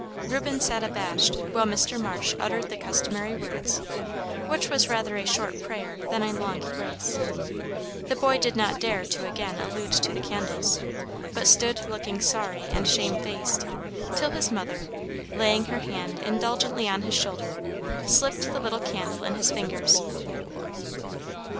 Reuben sat abashed while Mr. Marsh uttered the customary words, which was rather a short prayer than a long grace. The boy did not dare to again allude to the candles, but stood looking sorry and shamefaced, till his mother, laying her hand indulgently on his shoulder, slipped the little candle in his fingers.